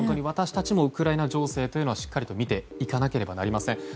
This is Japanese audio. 私たちもウクライナ情勢というのはしっかりと見ていかなければなりません。